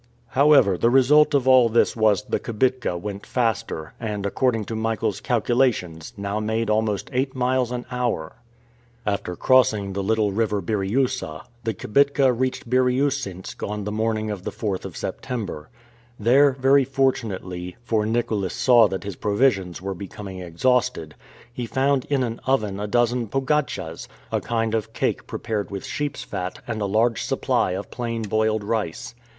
However, the result of all this was the kibitka went faster, and, according to Michael's calculations, now made almost eight miles an hour. After crossing the little river Biriousa, the kibitka reached Biriousensk on the morning of the 4th of September. There, very fortunately, for Nicholas saw that his provisions were becoming exhausted, he found in an oven a dozen "pogatchas," a kind of cake prepared with sheep's fat and a large supply of plain boiled rice.